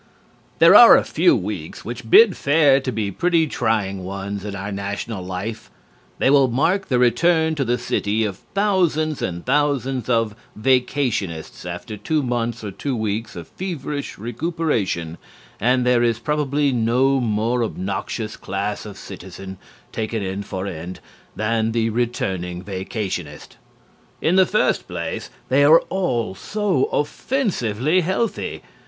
There are a few weeks which bid fair to be pretty trying ones in our national life. They will mark the return to the city of thousands and thousands of vacationists after two months or two weeks of feverish recuperation and there is probably no more obnoxious class of citizen, taken end for end, than the returning vacationist. In the first place, they are all so offensively healthy.